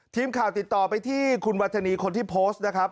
ทีมข่าวติดต่อไปที่คุณวัฒนีคนที่โพสต์นะครับ